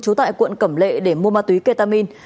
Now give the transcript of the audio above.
trú tại quận cẩm lệ để mua ma túy ketamin